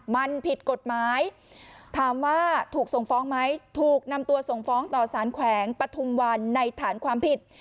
มันผิดกฎหมายถามว่าถูกส่งฟ้องไหมถูกนำตัวส่งฟ้องต่อสารแขวงปฐุมวันในฐานความผิด